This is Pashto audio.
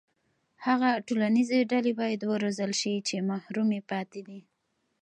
هغه ټولنیزې ډلې باید وروزل شي چې محرومې پاتې دي.